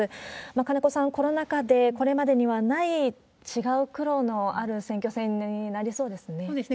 金子さん、コロナ禍で、これまでにはない、違う苦労のある選挙戦になりそうですね。